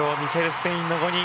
スペインの５人。